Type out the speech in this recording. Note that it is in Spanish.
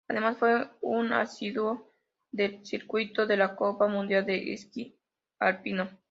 Además fue un asiduo del circuito de la Copa Mundial de Esquí Alpino.